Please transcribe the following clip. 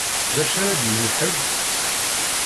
D acu ara d-yini ḥedd?